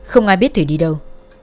không ai biết thùy đi đâu